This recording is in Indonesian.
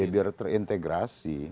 ya biar terintegrasi